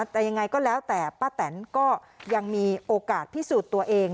แต่ยังไงก็แล้วแต่ป้าแตนก็ยังมีโอกาสพิสูจน์ตัวเอง